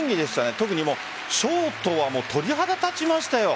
特にショートは鳥肌立ちましたよ。